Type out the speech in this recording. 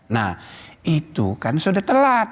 nah itu kan sudah telat